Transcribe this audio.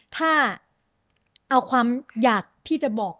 ถ้าเอาความอยากที่จะบอก